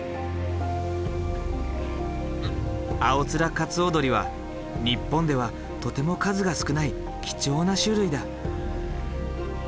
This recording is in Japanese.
アオツラカツオドリは日本ではとても数が少ない貴重な種類だ。